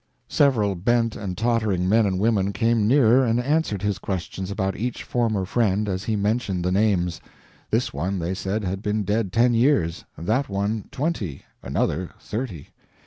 Several bent and tottering men and women came nearer and answered his questions about each former friend as he mentioned the names. This one they said had been dead ten years, that one twenty, another thirty.